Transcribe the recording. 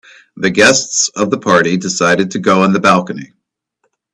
The guests of the party decided to go on the balcony.